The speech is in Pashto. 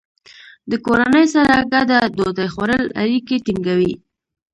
د کورنۍ سره ګډه ډوډۍ خوړل اړیکې ټینګوي.